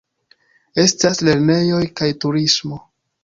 Estas lernejoj kaj turismo.